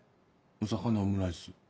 お魚オムライス。